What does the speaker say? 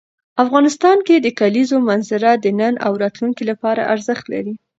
افغانستان کې د کلیزو منظره د نن او راتلونکي لپاره ارزښت لري.